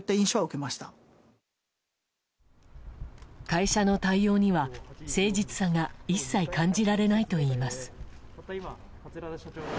会社の対応には、誠実さが一切感じられないといいます。